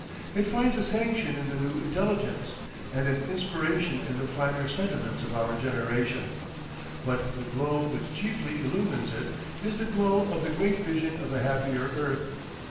It finds a sanction in the new intelligence, and an inspiration in the finer sentiments of our generation, but the glow which chiefly illumines it is the glow of the great vision of a happier earth.